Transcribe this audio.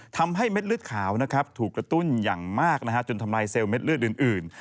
ทำให้เม็ดเลือดขาวนะครับถูกกระตุ้นอย่างมากจนทำลายเซลลเม็ดเลือดอื่น